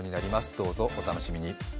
どうぞお楽しみに。